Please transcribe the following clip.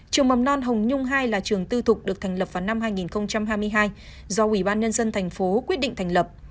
trường mầm non hồng nhung ii là trường tư thục được thành lập vào năm hai nghìn hai mươi hai do ubnd tp quyết định thành lập